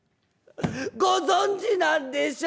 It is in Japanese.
ご存じなんでしょ？』